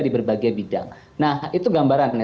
di berbagai bidang nah itu gambaran